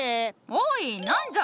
おい何じゃ！